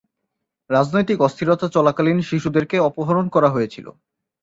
রাজনৈতিক অস্থিরতা চলাকালীন শিশুদেরকে অপহরণ করা হয়েছিল।